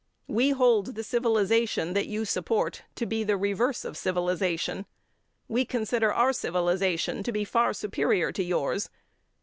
We hold the civilization that you support to be the reverse of civilization. We consider our civilization to be far superior to yours.